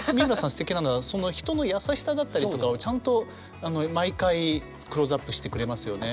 すてきなのはその人の優しさだったりとかをちゃんと毎回クローズアップしてくれますよね。